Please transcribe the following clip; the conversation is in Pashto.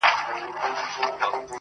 ټول زامن يې ښايسته لكه گلان وه!!